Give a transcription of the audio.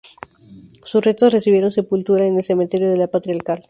Sus restos recibieron sepultura en el cementerio de la Patriarcal.